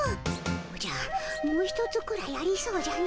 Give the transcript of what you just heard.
おじゃもうひとつくらいありそうじゃの。